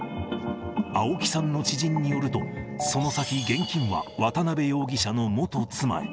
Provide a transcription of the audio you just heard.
青木さんの知人によると、その先、現金は渡辺容疑者の元妻へ。